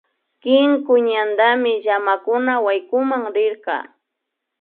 Kinku ñantami llamakuna waykunan rirka